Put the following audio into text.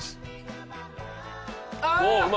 ああ！